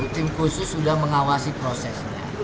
tim khusus sudah mengawasi prosesnya